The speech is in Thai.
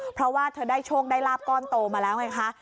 เพราะว่าเธอได้โชคได้ลาบก้อนโตมาแล้วไงคะ